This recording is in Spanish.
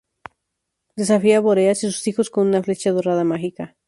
Desafía a Bóreas y sus hijos con una flecha dorada mágica.